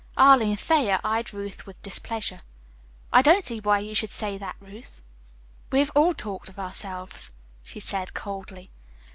Arline Thayer eyed Ruth with displeasure. "I don't see why you should say that, Ruth. We have all talked of ourselves," she said coldly.